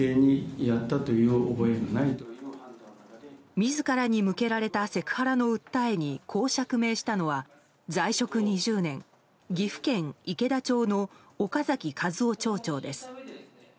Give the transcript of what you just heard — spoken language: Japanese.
自らに向けられたセクハラの訴えにこう釈明したのは在職２０年岐阜県池田町の岡崎和夫町長です。